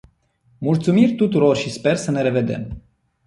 Mulțumiri tuturor și sper să ne revedem.